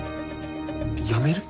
やめる？